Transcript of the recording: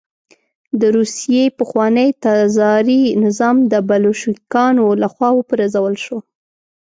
د روسیې پخوانی تزاري نظام د بلشویکانو له خوا وپرځول شو